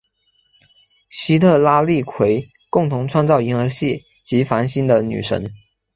西特拉利奎共同创造银河系及繁星的女神。